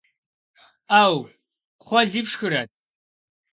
Ӏэу, кхъуэли фшхырэт?